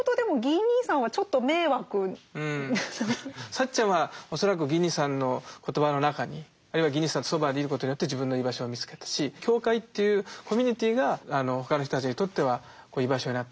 サッチャンは恐らくギー兄さんの言葉の中にあるいはギー兄さんのそばにいることによって自分の居場所を見つけたし教会っていうコミュニティーが他の人たちにとっては居場所になった。